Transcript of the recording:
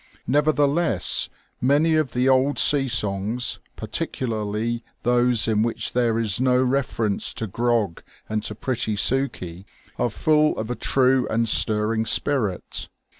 Nevertheless, many of the old sea songs, particularly those in which there is no reference to grog and to pretty Sukey, are full of a true and stirring spirit.